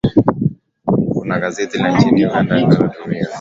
kuna gazeti la nchini uganda linalotuhumiwa